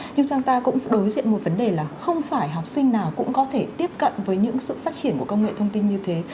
nhưng chúng ta cũng đối diện một vấn đề là không phải học sinh nào cũng có thể tiếp cận với những sự phát triển của công nghệ thông tin như thế